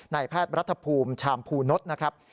แพทย์รัฐภูมิชามภูนศนะครับ